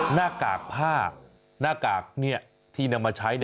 หน้ากากผ้าหน้ากากที่นำมาใช้